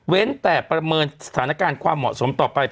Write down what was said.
แต่ประเมินสถานการณ์ความเหมาะสมต่อไป